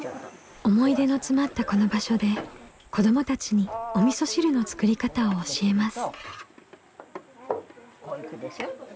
思い出の詰まったこの場所で子どもたちにおみそ汁の作り方を教えます。